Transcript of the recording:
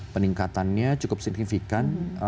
peningkatannya cukup signifikan